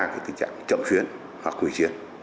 tình trạng chậm chuyến hoặc hủy chuyến